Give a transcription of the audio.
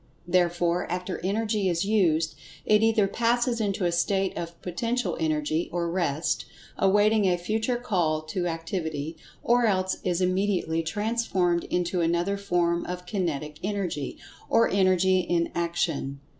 Therefore, after Energy is used, it either passes into a state of Potential Energy or Rest, awaiting a future call to Activity, or else is immediately transformed into another[Pg 115] form of Kinetic Energy, or Energy in Action.